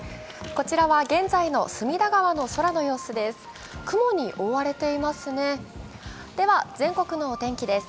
こちらは現在の空の様子です。